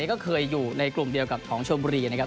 ก็เคยอยู่ในกลุ่มเดียวกับของชมบุรีนะครับ